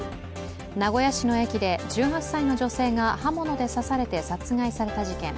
名古屋市の駅で１８歳の女性が刃物で刺されて殺害された事件。